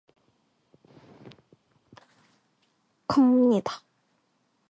갑니다.